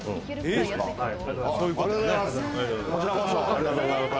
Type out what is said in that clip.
ありがとうございます。